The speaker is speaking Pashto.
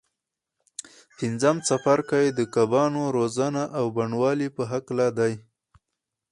پنځم څپرکی د کبانو روزنه او بڼوالۍ په هکله دی.